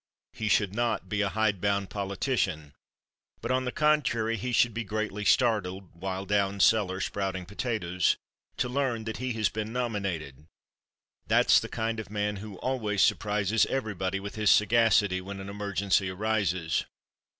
He should not be a hide bound politician, but on the contrary he should be greatly startled, while down cellar sprouting potatoes, to learn that he has been nominated. That's the kind of man who always surprises everybody with his sagacity when an emergency arises.